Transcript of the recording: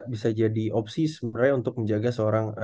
bisa jadi opsi sebenarnya untuk menjaga seorang